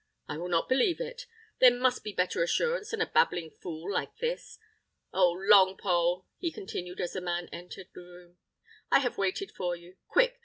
"I will not believe it; there must be better assurance than a babbling fool like this. Oh, Longpole!" he continued, as the man entered the room, "I have waited for you. Quick!